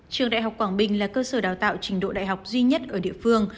trường đại học quảng bình là cơ sở đào tạo trình độ đại học duy nhất ở địa phương